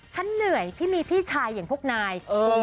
เหนื่อยที่มีพี่ชายอย่างพวกนาย